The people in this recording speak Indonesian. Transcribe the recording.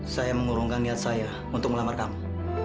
saya mengurungkan niat saya untuk melamar kamu